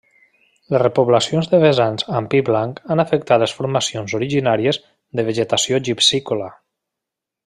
Les repoblacions de vessants amb pi blanc han afectat les formacions originàries de vegetació gipsícola.